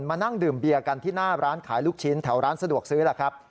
มานั่งดื่มเบียร์กันที่หน้าร้านขายลูกชิ้นแถวร้านสะดวกซื้อล่ะครับ